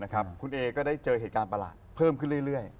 คุณเอก็ได้เจอเหตุการณ์ประหลาดเพิ่มขึ้นเรื่อย